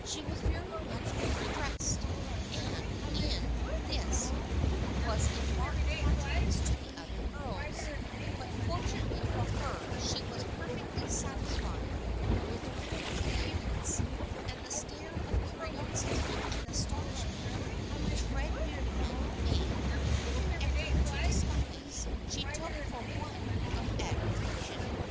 She was very much overdressed, and in this was in marked contrast to the other girls, but fortunately for her she was perfectly satisfied THE FRIENDSHIP OF AJSTNE 159 with her own appearance, and the stare of curiosity and astonishment which Fred Merriam made little effort to disguise, she took for one of admira tion.